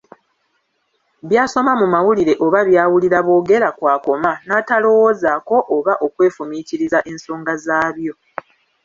By'asoma mu mawulire oba by'awulira boogera kw'akoma, n'atalowoozaako oba okwefumiitiriza ensonga zaabyo.